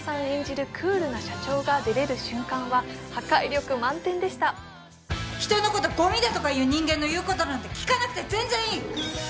演じるクールな社長がデレる瞬間は破壊力満点でした人のことゴミだとか言う人間の言うことなんて聞かなくて全然いい！